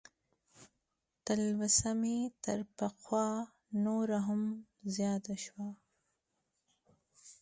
تلوسه مې تر پخوا نوره هم زیاته شوه.